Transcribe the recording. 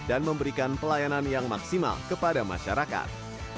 dan memberikan pelayanan yang maksimal kepada masyarakat